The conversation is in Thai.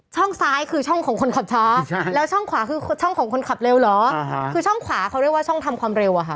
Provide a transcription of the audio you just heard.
ซ้ายคือช่องของคนขับช้าแล้วช่องขวาคือช่องของคนขับเร็วเหรอคือช่องขวาเขาเรียกว่าช่องทำความเร็วอะค่ะ